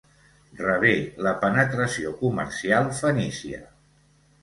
Rebé la penetració comercial fenícia.